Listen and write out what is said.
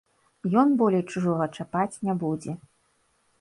Ён болей чужога чапаць не будзе.